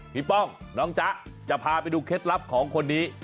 ป้องน้องจ๊ะจะพาไปดูเคล็ดลับของคนนี้